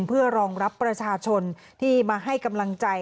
เพื่อรองรับประชาชนที่มาให้กำลังใจ